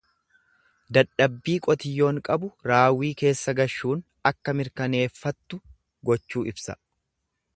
Dadhabbii qotiyyoon qabu raawwii keessa gashuun akka mirkaneeffattu gochuu ibsa.